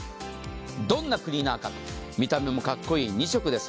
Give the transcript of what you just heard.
どんなクリーナーか、見た目もかっこいい２色です。